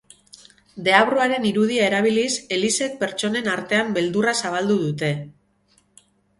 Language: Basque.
Deabruaren irudia erabiliz elizek pertsonen artean beldurra zabaldu dute.